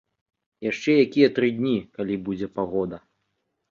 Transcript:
Яшчэ якія тры дні, калі будзе пагода.